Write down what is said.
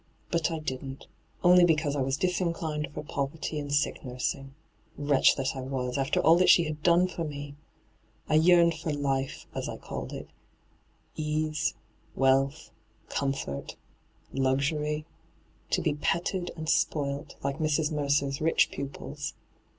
But I didn't, only because I was disinclined for poverty and sick nursing. Wretch that I was, after all that she had done for me I I yearned for " life," as I called it — ease, wealth, comfort, luxury — to be petted and spoilt like Mrs. Mercer's rich pupils.